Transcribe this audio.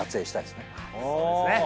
そうですね。